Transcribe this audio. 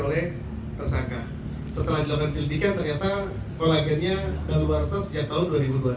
oleh tersangka setelah dilakukan penyelidikan ternyata kolagennya daluarsa sejak tahun dua ribu dua puluh satu